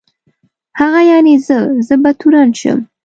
هغه یعني زه، زه به تورن شم.